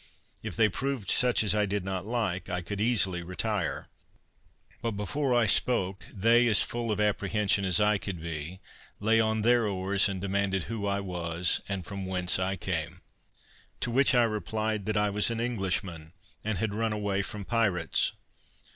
If they proved such as I did not like, I could easily retire. But before I spoke, they, as full of apprehension as I could be, lay on their oars, and demanded who I was, and from whence I came? to which I replied, "that I was an Englishman, and had run away from pirates."